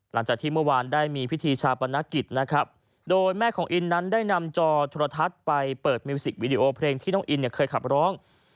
หลังจากที่เมื่อวานได้มีพิธีชาปนกิจนะครับโดยแม่ของอินนั้นได้นำจอโทรทัศน์ไปเปิดมิวสิกวีดีโอเพลงที่น้องอินเนี่ยเคยขับร้อง